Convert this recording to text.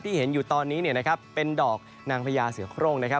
ที่เห็นอยู่ตอนนี้เนี่ยนะครับเป็นดอกนางพญาเสือโครงนะครับ